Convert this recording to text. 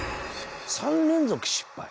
「３連続失敗？」